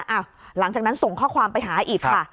หลังจากนั้นส่งข้อความไปหาอีกค่ะ